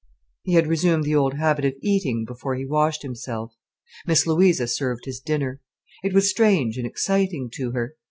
He had resumed the old habit of eating before he washed himself. Miss Louisa served his dinner. It was strange and exciting to her.